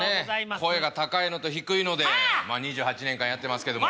声が高いのと低いので２８年間やってますけども。